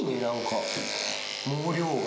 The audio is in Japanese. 毛量が。